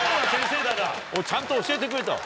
ちゃんと教えてくれたわ。